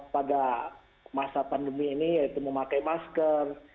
pada masa pandemi ini yaitu memakai masker